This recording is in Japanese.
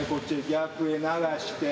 逆へ流して。